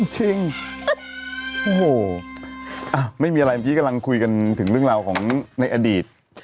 จริงโอ้โหไม่มีอะไรเมื่อกี้กำลังคุยกันถึงเรื่องราวของในอดีต